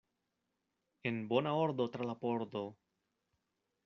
En bona ordo tra la pordo!